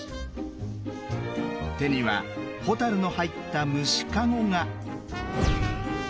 手には蛍の入った虫かごが。